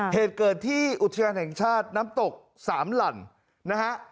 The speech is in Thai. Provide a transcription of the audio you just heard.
เหตุเกิดที่อุทยานแห่งชาติน้ำตกสามหลั่นนะฮะ